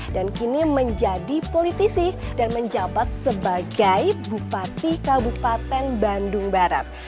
dan kini menjadi politisi dan menjabat sebagai bupati kabupaten bandung barat